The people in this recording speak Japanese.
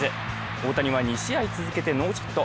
大谷は２試合続けてノーヒット。